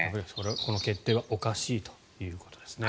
この決定はおかしいということですね。